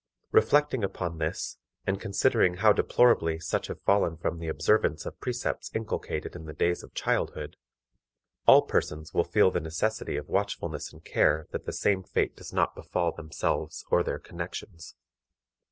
Reflecting upon this, and considering how deplorably such have fallen from the observance of precepts inculcated in the days of childhood, all persons will feel the necessity of watchfulness and care that the same fate does not befall themselves or their connections.